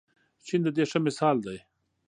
چین د دې ښه مثال دی.